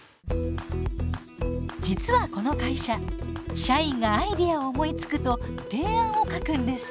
実はこの会社社員がアイデアを思いつくと提案を書くんです。